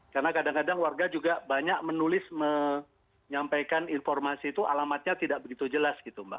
karena kadang kadang warga juga banyak menulis menyampaikan informasi itu alamatnya tidak begitu jelas gitu mbak